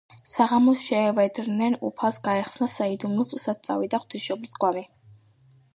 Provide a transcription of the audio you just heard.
საღამოს შეევედრნენ უფალს: გაეხსნა საიდუმლო, თუ სად წავიდა ღვთისმშობლის გვამი.